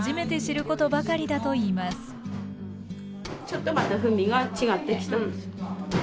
ちょっとまた風味が違ってきたでしょ？